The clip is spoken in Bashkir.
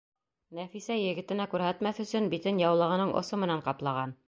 Нәфисә, егетенә күрһәтмәҫ өсөн, битен яулығының осо менән ҡаплаған.